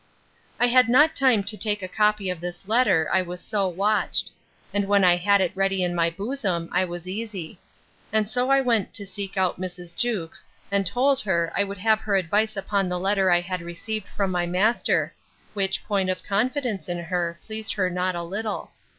I had not time to take a copy of this letter, I was so watched. And when I had it ready in my bosom, I was easy. And so I went to seek out Mrs. Jewkes, and told her, I would have her advice upon the letter I had received from my master; which point of confidence in her pleased her not a little.